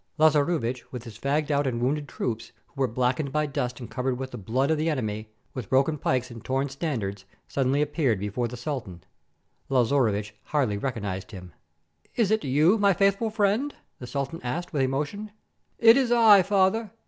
Lazaruvich, with his fagged out and wounded troops, who were blackened by dust and covered with the blood of the enemy, with broken pikes and torn standards, suddenly appeared before the sultan. Lazaruvich hardly recognized him. " Is it you, my faithful friend ?" the sultan asked, with emotion. "It is I, father.